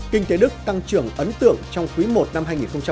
kinh tế đức tăng trưởng ấn tượng trong quý i năm hai nghìn một mươi bảy